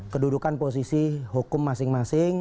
kedudukan posisi hukum masing masing